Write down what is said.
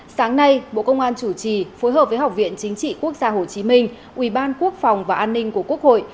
sáng nay bộ công an chủ trì phối hợp với học viện chính trị quốc gia hồ chí minh ubnd và an ninh của quốc hội